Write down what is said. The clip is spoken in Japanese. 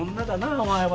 お前は。